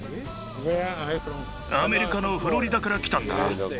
アメリカのフロリダから来たんだ。